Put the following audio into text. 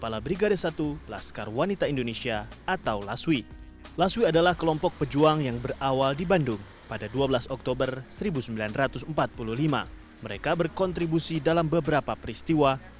lasui dalam beberapa peristiwa